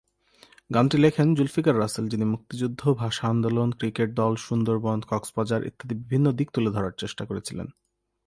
গানটি লেখেন জুলফিকার রাসেল যিনি মুক্তিযুদ্ধ, ভাষা আন্দোলন, ক্রিকেট দল, সুন্দরবন, কক্সবাজার ইত্যাদি বিভিন্ন দিক তুলে ধরার চেষ্টা করেছিলেন।